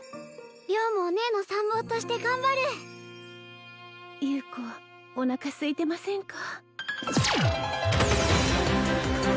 良もお姉の参謀として頑張る優子おなかすいてませんか？